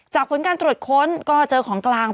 ผลการตรวจค้นก็เจอของกลาง